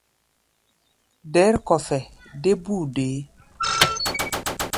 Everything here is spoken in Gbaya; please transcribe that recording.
Dɛ̌r-kɔfɛ dé búu deé.